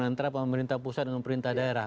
antara pemerintah pusat dengan pemerintah daerah